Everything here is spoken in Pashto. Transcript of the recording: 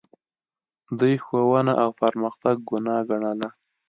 دوی ښوونه او پرمختګ ګناه ګڼله